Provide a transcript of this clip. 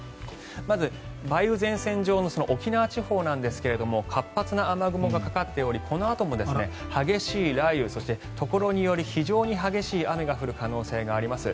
まず、梅雨前線上の沖縄地方なんですが活発な雨雲がかかっておりこのあとも激しい雷雨そして、ところにより非常に激しい雨が降る可能性があります。